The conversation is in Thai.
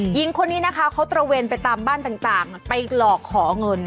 หญิงคนนี้นะคะเขาตระเวนไปตามบ้านต่างไปหลอกขอเงิน